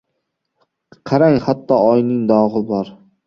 Qarang, hatto oyning dog‘i bor